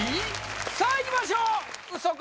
さあいきましょうウソか